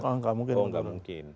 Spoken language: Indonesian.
oh gak mungkin